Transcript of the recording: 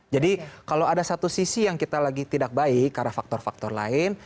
jadi kalau ada satu sisi yang kita lagi tidak baik karena faktor faktor lain